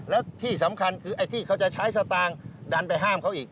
แล้วที่สำคัญคือไอ้ที่เขาจะใช้สตางค์ดันไปห้ามเขาอีก